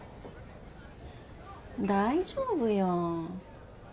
大丈夫よ。